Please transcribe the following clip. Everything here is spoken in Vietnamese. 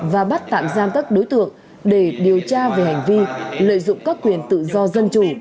và bắt tạm giam các đối tượng để điều tra về hành vi lợi dụng các quyền tự do dân chủ